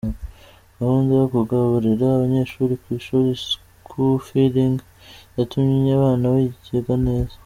Gahunda yo kugaburira abanyeshuri ku ishuri “Schoofeeding” yatumye abana biga neza.